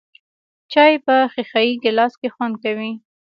چای په ښیښه یې ګیلاس کې خوند کوي .